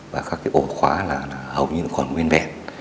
và các ổ khóa là hầu như còn nguyên vẹn